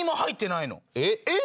えっ？